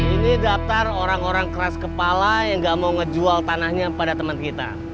ini daftar orang orang keras kepala yang nggak mau ngejual tanahnya pada teman kita